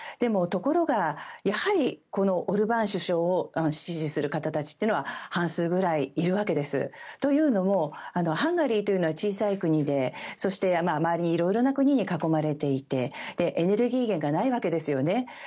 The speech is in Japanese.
ところが、やはりオルバーン首相を支持する方たちは半数ぐらいいるわけです。というのもハンガリーというのは小さい国で、そして周りはいろいろな国に囲まれていてエネルギー源がないわけですね。